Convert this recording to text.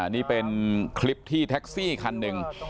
นี่เป็นคลิปที่แท็กซี่คันหนึ่ง